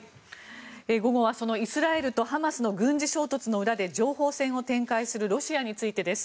午後はそのイスラエルとハマスの軍事衝突の裏で情報戦を展開するロシアについてです。